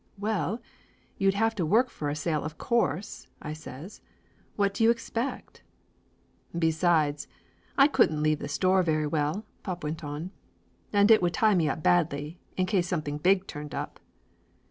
"Well, you'd have to work for a sale of course!" I says. "What do you expect?" "Besides, I couldn't leave the store very well," pop went on. "And it would tie me up badly, in case something big turned up."